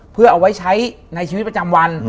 เพื่อเอาไว้ใช้ในชีวิตประจำวัน